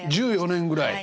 １４年ぐらい。